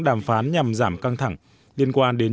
đàm phán nhằm giảm căng thẳng liên quan đến